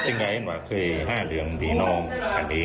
เป็นไงน่ะคือห้าเรืองดีนองอันนี้